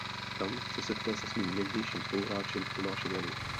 Tam se setkal se svým někdejším spoluhráčem Tomášem Janů.